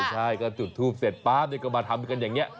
ใช่ก็ถูกเสร็จป๊าบก็มาทำอย่างนี้